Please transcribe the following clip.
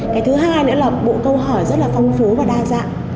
cái thứ hai nữa là bộ câu hỏi rất là phong phú và đa dạng